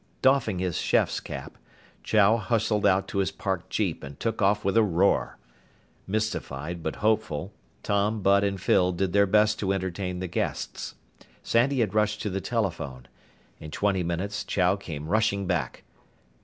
Doffing his chef's cap, Chow hustled out to his parked jeep and took off with a roar. Mystified but hopeful, Tom, Bud, and Phyl did their best to entertain the guests. Sandy had rushed to the telephone. In twenty minutes Chow came rushing back.